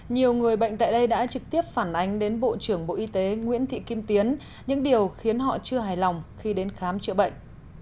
nhiều người bệnh tại đây đã trực tiếp phản ánh đến bộ trưởng bộ y tế nguyễn thị kim tiến những điều khiến họ chưa hài lòng khi đến khám chữa bệnh